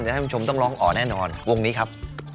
ท่านผู้ชมต้องร้องอ๋อแน่นอนวงนี้ครับ